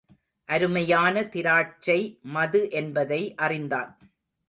அருமையான திராட்சை மது என்பதை அறிந்தான்.